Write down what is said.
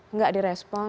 enggak di respon